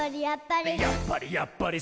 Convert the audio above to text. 「やっぱり！